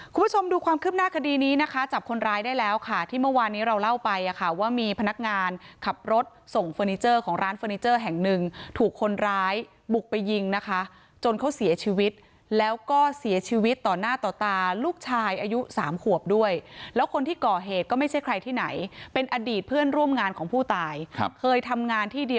คุณผู้ชมดูความคืบหน้าคดีนี้นะคะจับคนร้ายได้แล้วค่ะที่เมื่อวานนี้เราเล่าไปอ่ะค่ะว่ามีพนักงานขับรถส่งเฟอร์นิเจอร์ของร้านเฟอร์นิเจอร์แห่งหนึ่งถูกคนร้ายบุกไปยิงนะคะจนเขาเสียชีวิตแล้วก็เสียชีวิตต่อหน้าต่อตาลูกชายอายุสามขวบด้วยแล้วคนที่ก่อเหตุก็ไม่ใช่ใครที่ไหนเป็นอดีตเพื่อนร่วมงานของผู้ตายครับเคยทำงานที่ดี